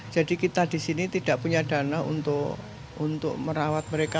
jadi kita di sini tidak punya dana untuk merawat mereka